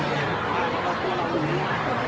การรับความรักมันเป็นอย่างไร